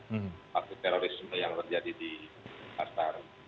waktu terorisme yang terjadi di kastar